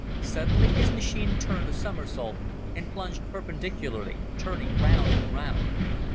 Suddenly his machine turned a somersault and plunged perpendicularly, turning round and round.